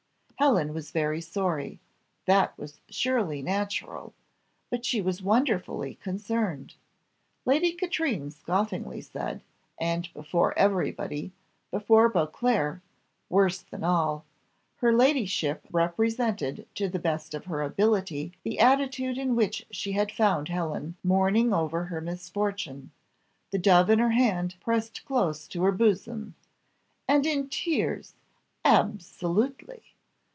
Helen was very sorry that was surely natural; but she was wonderfully concerned. Lady Katrine scoffingly said; and before everybody, before Beauclerc, worse than all, her ladyship represented to the best of her ability the attitude in which she had found Helen mourning over her misfortune, the dove in her hand pressed close to her bosom "And in tears absolutely."